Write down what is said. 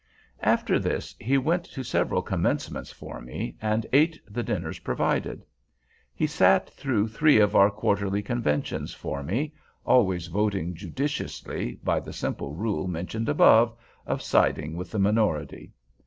After this he went to several Commencements for me, and ate the dinners provided; he sat through three of our Quarterly Conventions for me—always voting judiciously, by the simple rule mentioned above, of siding with the minority.